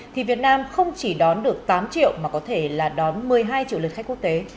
thì việt nam không chỉ đón được tám triệu mà có thể là đón một mươi hai triệu lượt khách quốc tế